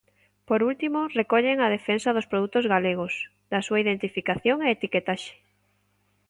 Por último, recollen a defensa dos produtos galegos, da súa identificación e etiquetaxe.